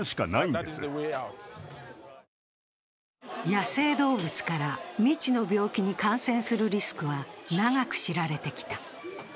野生動物から未知の病気に感染するリスクは長く知られてきた。